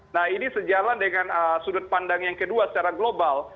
nah ini sejalan dengan sudut pandang yang kedua secara global